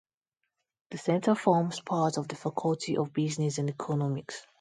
The centre forms part of the Faculty of Business and Economics.